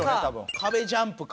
壁ジャンプか。